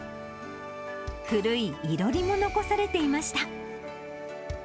古い囲炉裏も残されていまし